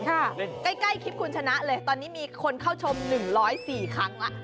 ใกล้คลิปคุณชนะเลยตอนนี้มีคนเข้าชม๑๐๔ครั้งแล้ว